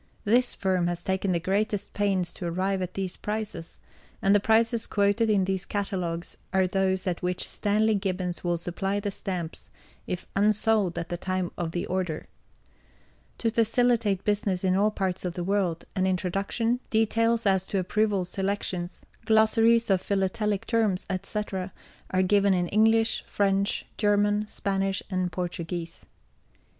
This Firm has taken the greatest pains to arrive at these prices, and the prices quoted in these Catalogues are those at which STANLEY GIBBONS will supply the Stamps if unsold at the time of the order. To facilitate business in all parts of the world, an Introduction, Details as to Approval Selections, Glossaries of Philatelic Terms, etc., are given in English, French, German, Spanish, and Portuguese.